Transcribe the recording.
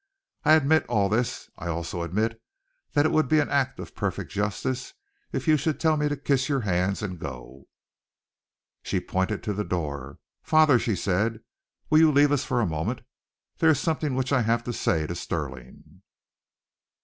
I admit all this. I also admit that it would be an act of perfect justice if you should tell me to kiss your hands and go." She pointed to the door. "Father," she said, "will you leave us for a moment? There is something which I have to say to Stirling."